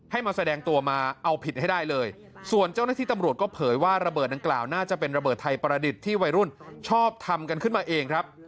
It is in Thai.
มาแสดงตัวมาเอาผิดให้ได้เลยส่วนเจ้าหน้าที่ตำรวจก็เผยว่าระเบิดดังกล่าวน่าจะเป็นระเบิดไทยประดิษฐ์ที่วัยรุ่นชอบทำกันขึ้นมาเองครับ